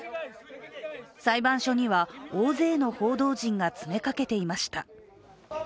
裁判所には大勢の報道陣が詰めかけていました。